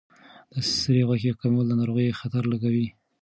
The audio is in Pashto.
د سرې غوښې کمول د ناروغۍ خطر لږوي.